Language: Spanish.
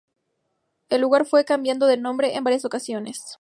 El lugar fue cambiando de nombre en varias ocasiones.